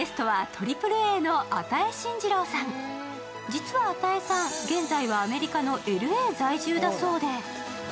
実は與さん、現在はアメリカのＬＡ在住だそうで。